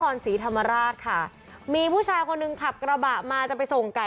นครศรีธรรมราชค่ะมีผู้ชายคนหนึ่งขับกระบะมาจะไปส่งไก่